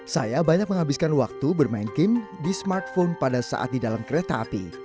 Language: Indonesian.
saya banyak menghabiskan waktu bermain game di smartphone pada saat di dalam kereta api